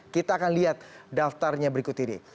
kita akan lihat daftarnya berikut ini